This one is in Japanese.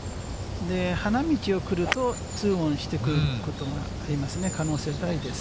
花道を来ると、２オンしてくることがありますね、可能性大です。